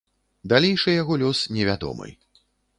Далейшы яго лёс не вядомы.